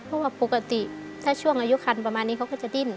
เพราะว่าปกติถ้าช่วงอายุคันประมาณนี้เขาก็จะดิ้น